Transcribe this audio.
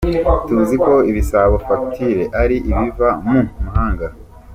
Tuzi ko ibisaba ’facture’ ari ibiva mu mahanga”.